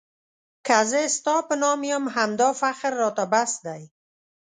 که زه ستا په نام یم همدا فخر راته بس دی.